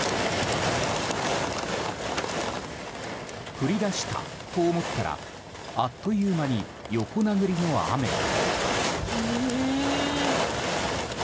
降り出したと思ったらあっという間に横殴りの雨に。